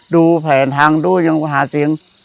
ดูแผนทางดูยังหาเก๋ง